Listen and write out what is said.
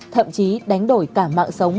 thậm chí đánh đổi cả mạng sống